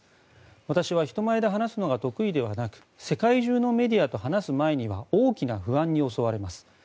私は人前で話すのが得意ではなく世界中のメディアと話す前には大きな不安に襲われます。